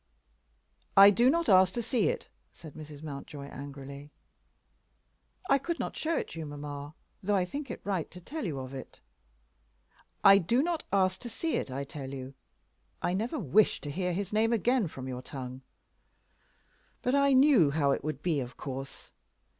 "I do not ask to see it," said Mrs. Mountjoy, angrily. "I could not show it you, mamma, though I think it right to tell you of it." "I do not ask to see it, I tell you. I never wish to hear his name again from your tongue. But I knew how it would be; of course.